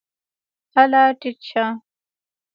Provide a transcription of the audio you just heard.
هله ټیټ شه !